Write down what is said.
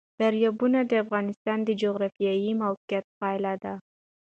دریابونه د افغانستان د جغرافیایي موقیعت پایله ده.